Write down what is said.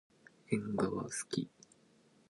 えんがわがすき。